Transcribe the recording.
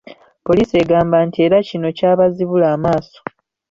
Poliisi egamba nti era kino kyabazibula amaaso.